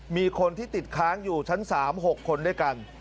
มีคนที่ติดค้างอยู่ชั้น๓๖คนด้วยกัน